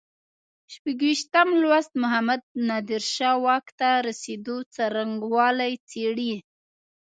شپږویشتم لوست محمد نادر شاه واک ته رسېدو څرنګوالی څېړي.